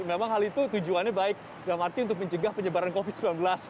memang hal itu tujuannya baik dalam arti untuk mencegah penyebaran covid sembilan belas